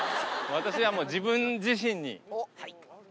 私はもう自分自身に。